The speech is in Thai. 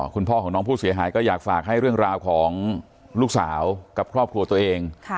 คุณพ่อของน้องผู้เสียหายก็อยากฝากให้เรื่องราวของลูกสาวกับครอบครัวตัวเอง